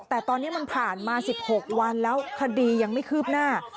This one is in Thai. แต่ตอนนี้มันผ่านมา๑๖วันแล้วคดียังไม่คืบหน้า